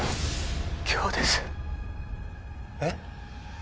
☎今日ですえっ？